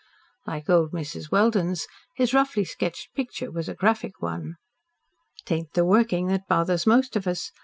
Like old Mrs. Welden's, his roughly sketched picture was a graphic one. "'Tain't the working that bothers most of us.